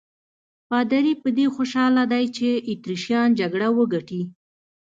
پادري په دې خوشاله دی چې اتریشیان جګړه وګټي.